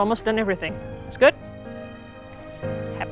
hampir semua sudah siap